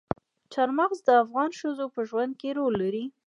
چار مغز د افغان ښځو په ژوند کې رول لري.